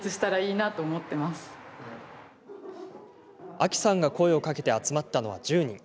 アキさんが声をかけて集まったのは１０人。